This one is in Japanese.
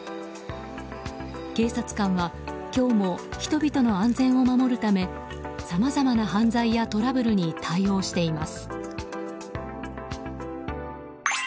警察官は今日も人々の安全を守るためさまざまな犯罪やトラブルに対応しています。